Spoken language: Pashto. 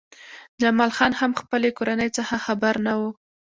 جمال خان هم له خپلې کورنۍ څخه خبر نه و